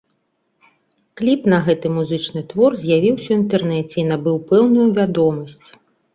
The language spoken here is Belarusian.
Кліп на гэты музычны твор з'явіўся ў інтэрнэце і набыў пэўную вядомасць.